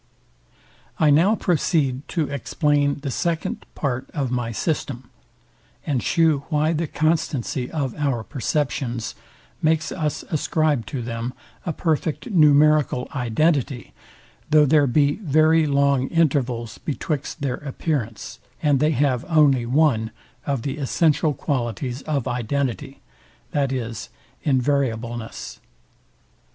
I now proceed to explain the SECOND part of my system, and shew why the constancy of our perceptions makes us ascribe to them a perfect numerical identity, tho there be very long intervals betwixt their appearance, and they have only one of the essential qualities of identity, VIZ, INVARIABLENESS.